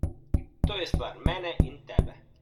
To je stvar mene in tebe.